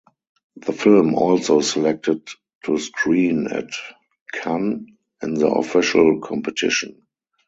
The film also selected to screen at Cannes in the official competition.